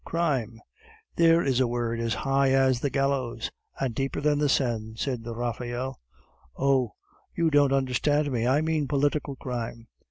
"Crime " "There is a word as high as the gallows and deeper than the Seine," said Raphael. "Oh, you don't understand me; I mean political crime.